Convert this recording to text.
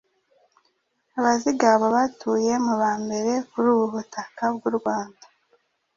Abazigaba batuye mu ba mbere kuri ubu butaka bw’u Rwanda